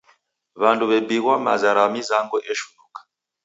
W'andu w'ebighwa maza ra mizango eshughunuka.